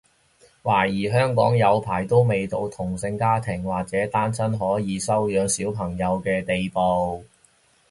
懷疑香港有排都未到同性家庭或者單親可以收養小朋友嘅地步